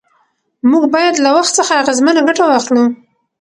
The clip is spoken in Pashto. موږ باید له وخت څخه اغېزمنه ګټه واخلو